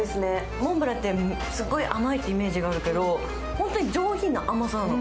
モンブランってすごい甘いっていうイメージがあるけど、本当に上品な甘さなの。